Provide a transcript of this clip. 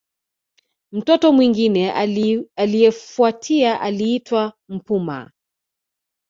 Mtoto mwingine aliyefuatia aliitwa Mpuma